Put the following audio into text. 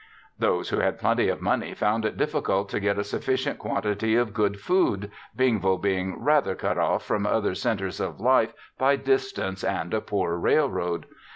Those who had plenty of money found it difficult to get a sufficient quantity of good food, Bingville being rather cut off from other centers of life by distance and a poor railroad.